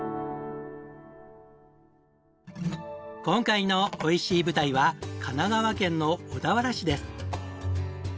今回のおいしい舞台は神奈川県の小田原市です。